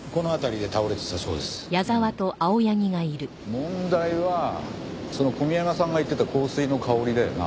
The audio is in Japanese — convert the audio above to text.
問題はその小宮山さんが言ってた香水の香りだよな。